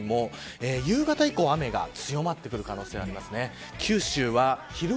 名古屋辺りも夕方以降雨が強まってくる可能性があります。